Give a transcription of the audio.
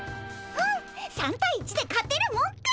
３対１で勝てるもんか。